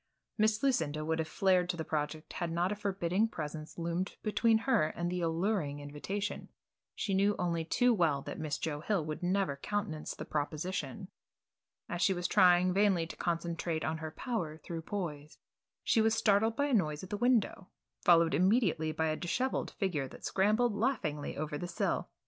Miss Lucinda would have flared to the project had not a forbidding presence loomed between her and the alluring invitation. She knew only too well that Miss Joe Hill would never countenance the proposition. As she sat trying vainly to concentrate on her "Power Through Poise," she was startled by a noise at the window, followed immediately by a dishevelled figure that scrambled laughingly over the sill.